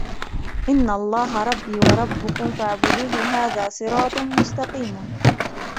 إِنَّ اللَّهَ رَبِّي وَرَبُّكُمْ فَاعْبُدُوهُ هَذَا صِرَاطٌ مُسْتَقِيمٌ